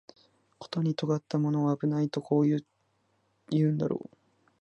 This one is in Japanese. ことに尖ったものは危ないとこう言うんだろう